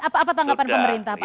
apa tanggapan pemerintah